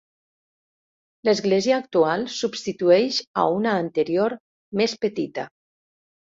L'església actual substitueix a una anterior, més petita.